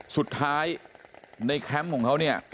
สุดท้ายในแคมป์ของเขา